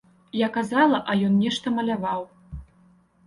Я казала, а ён нешта маляваў.